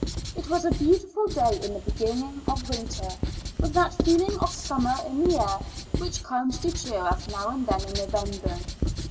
It was a beautiful day in the beginning of winter, with that feeling of summer in the air which comes to cheer us now and then in November.